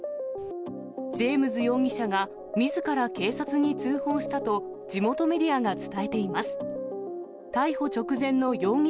ジェームズ容疑者が、みずから警察に通報したと、地元メディアが伝えています。